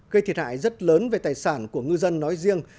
gây thiệt hại rất lớn về tài sản của ngư dân nói riêng